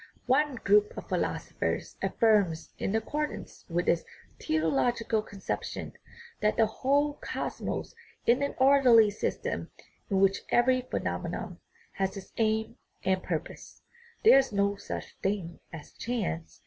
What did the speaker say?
One group of philosophers affirms, in accordance with its teleological conception, that the whole cosmos is an orderly system, in which every phenomenon has its aim and purpose ; there is no such thing as chance.